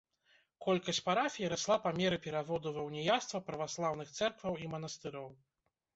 Колькасць парафій расла па меры пераводу ва ўніяцтва праваслаўных цэркваў і манастыроў.